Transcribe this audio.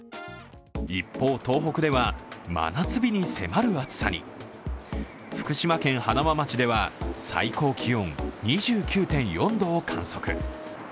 一方、東北では真夏日に迫る暑さに福島県塙町では最高気温２９．４度を観測。